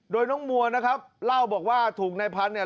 โดยน้องมัวนะครับเล่าบอกว่าถูกนายพันธุ์เนี่ย